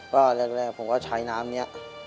ก็แรกผมก็ใช้น้ำนี้